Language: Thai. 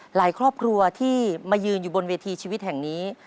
หลายครอบครัวที่มายืนอยู่บนเวทีชีวิตแห่งนี้